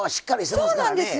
そうなんですよ。